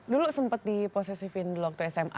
dulu sempet diposesifin dulu waktu sma